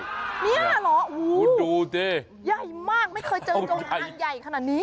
เนี่ยเหรอโอ้โหดูสิใหญ่มากไม่เคยเจอจงอางใหญ่ขนาดนี้